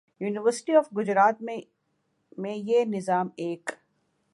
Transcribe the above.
university of Gujrat میں یہ نظام ایک